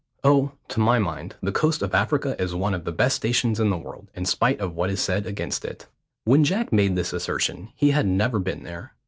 Oh, to my mind, the coast of Africa is one of the best stations in the world, in spite of what is said against it." When Jack made this assertion, he had never been there.